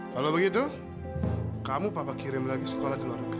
kalau begitu kamu papa kirim lagi sekolah di luar negeri